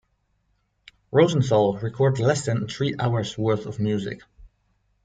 Rosenthal recorded less than three hours' worth of music.